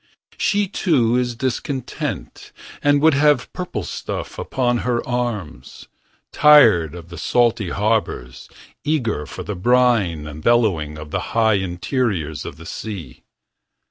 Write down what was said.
She too is discontent And would have purple stuff upon her arms. Tired of the salty harbors. Eager for the brine and bellowing Of the high interiors of the sea.